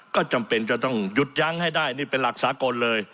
ก็จำเป็นจะต้องหยุดยั้งให้ได้นี่เป็นหลักสากลเลย